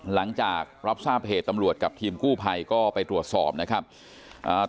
หลังจากรับทราบเหตุตำรวจกับทีมกู้ภัยก็ไปตรวจสอบนะครับอ่า